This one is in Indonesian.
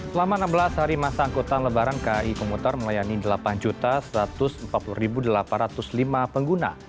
selama enam belas hari masa angkutan lebaran kai komuter melayani delapan satu ratus empat puluh delapan ratus lima pengguna